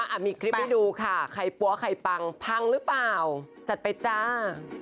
อ่ะมีคลิปให้ดูค่ะใครปั๊วใครปังพังหรือเปล่าจัดไปจ้า